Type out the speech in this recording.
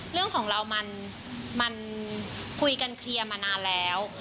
เรื่องของเรามันคุยกันเคลียร์มานานแล้ว